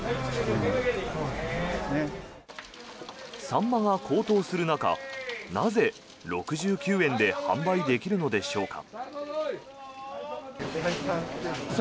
サンマが高騰する中なぜ、６９円で販売できるのでしょうか。